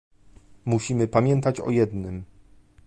Musimy pamiętać o jednym